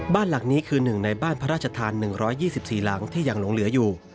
บ้านหลังนี้คือหนึ่งในบ้านพระราชทาน๑๒๔หลังที่ยังหลงเหลืออยู่